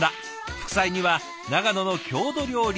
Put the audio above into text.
副菜には長野の郷土料理